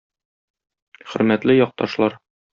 Хөрмәтле якташлар!